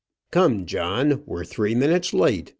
"Come, John, we're three minutes late!